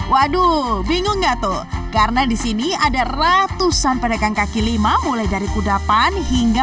waduh bingung gak tuh karena disini ada ratusan pedagang kaki lima mulai dari kudapan hingga